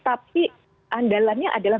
tapi andalannya adalah